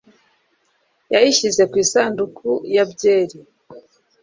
yayishyize ku isanduku ya byeri